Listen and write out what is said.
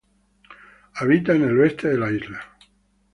Habita en el oeste de la isla.